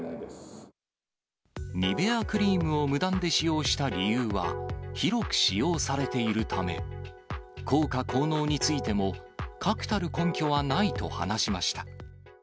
ニベアクリームを無断で使用した理由は、広く使用されているため、効果効能についても確たる根拠はないと話しました。